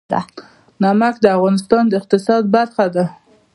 نمک د افغانستان د اقتصاد برخه ده.